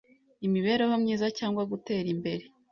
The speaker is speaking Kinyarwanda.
'Imibereho myiza' cyangwa 'Gutera imbere